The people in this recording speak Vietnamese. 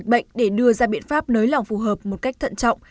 bệnh để đưa ra biện pháp nới lỏng phù hợp một cách thận trọng